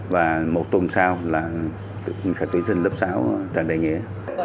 và một tuần sau là phải tuyển sinh lớp sáu trần đại nghĩa